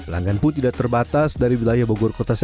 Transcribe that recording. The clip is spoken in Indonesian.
langgan pun tidak terbatas dari wilayah bogor kota saja